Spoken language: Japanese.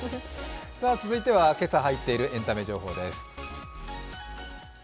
続いては今朝入っているエンタメ情報です。